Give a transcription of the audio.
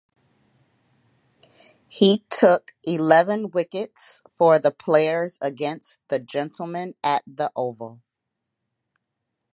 He took eleven wickets for the Players against the Gentlemen at the Oval.